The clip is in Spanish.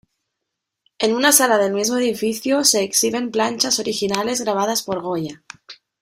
En una sala del mismo edificio se exhiben planchas originales grabadas por Goya.